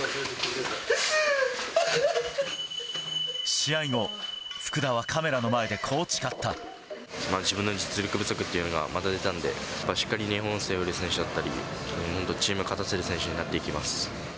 試合後、福田はカメラの前で、自分の実力不足っていうのがまた出たんで、しっかり日本を背負える選手だったり、本当、チームを勝たせる選手になっていきます。